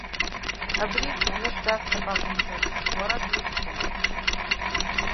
Абригь анышә дасҭап акәымзар, уара дусҭом!